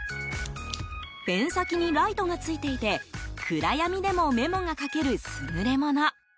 ペン先にライトがついていて暗闇でもメモが書ける優れもの。